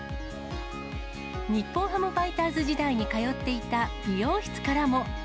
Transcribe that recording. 日本ハムファイターズ時代に通っていた美容室からも。